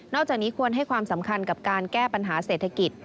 จากนี้ควรให้ความสำคัญกับการแก้ปัญหาเศรษฐกิจ